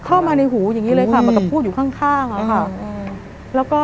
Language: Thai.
เข้ามาในหูอย่างนี้เลยค่ะมันก็พูดอยู่ข้างแล้วค่ะ